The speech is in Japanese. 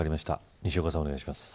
西岡さん、お願いします。